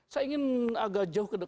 saya ingin agak jelas